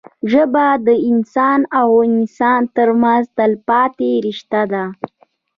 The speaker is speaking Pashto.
ژبه د انسان او انسان ترمنځ تلپاتې رشته ده